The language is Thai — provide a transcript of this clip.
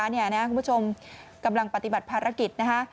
เนี่ยนะครับคุณผู้ชมกำลังปฏิบัติภารกิจนะคะ